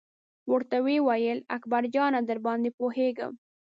ورته یې وویل: اکبر جانه درباندې پوهېږم.